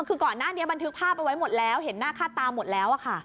คือก่อนหน้านี้บันทึกภาพเอาไว้หมดแล้วเห็นหน้าค่าตาหมดแล้วค่ะ